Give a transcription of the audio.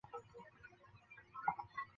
蒋可心。